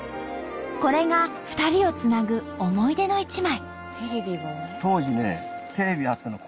これが２人をつなぐ思い出の一枚。